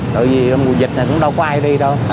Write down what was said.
tại vì mùa dịch này cũng đâu có ai đi đâu